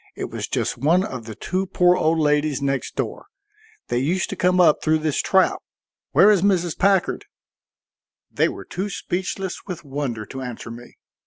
It was just one of the two poor old ladies next door. They used to come up through this trap. Where is Mrs. Packard?" They were too speechless with wonder to answer me.